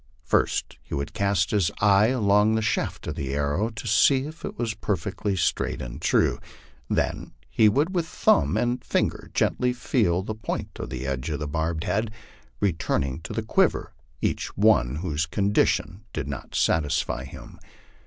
First he would cast his eye along the shaft of the arrow, to see if it was perfectly straight and true. Then he would with thumb and finger gently feel the point and edge of the barbed head, returning to the quiver each one whose condition did not satisfy him.